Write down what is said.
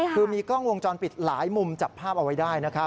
คือมีกล้องวงจรปิดหลายมุมจับภาพเอาไว้ได้นะครับ